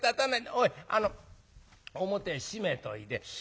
おいあの表閉めといで。